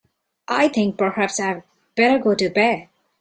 I think perhaps I'd better go to bed.